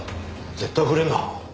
絶対触れるな。